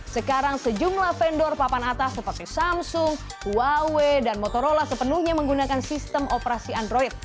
sekarang sejumlah vendor papan atas seperti samsung huawei dan motorola sepenuhnya menggunakan sistem operasi android